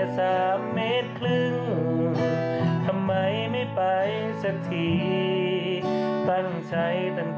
ฉันไม่ใช่คนโง่